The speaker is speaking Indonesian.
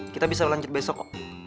kita bisa lanjut besok kok